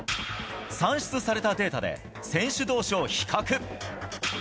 算出されたデータで選手同士を比較。